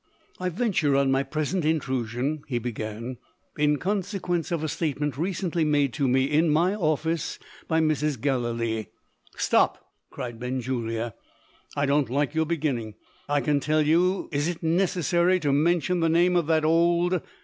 "I venture on my present intrusion," he began, "in consequence of a statement recently made to me, in my office, by Mrs. Gallilee." "Stop!" cried Benjulia. "I don't like your beginning, I can tell you. Is it necessary to mention the name of that old